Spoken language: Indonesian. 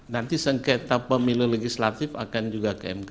nanti sengketa pemilu legislatif akan juga ke mk